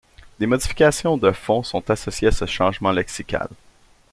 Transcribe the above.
Des modifications de fond sont associées à ce changement lexical.